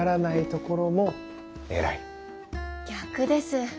逆です。